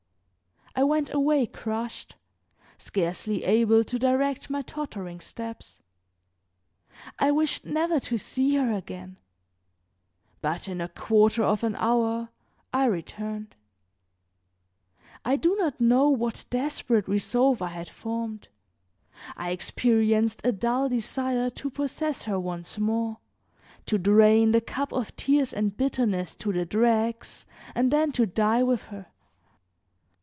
I went away crushed, scarcely able to direct my tottering steps. I wished never to see her again; but in a quarter of an hour I returned. I do not know what desperate resolve I had formed; I experienced a dull desire to possess her once more, to drain the cup of tears and bitterness to the dregs and then to die with her.